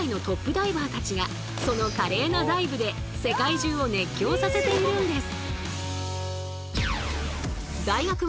ダイバーたちがその華麗なダイブで世界中を熱狂させているんです。